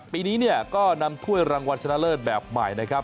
ปีนี้เนี่ยก็นำถ้วยรางวัลชนะเลิศแบบใหม่นะครับ